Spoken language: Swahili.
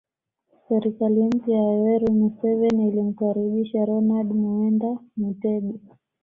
Serikali mpya ya Yoweri Museveni ilimkaribisha Ronald Muwenda Mutebi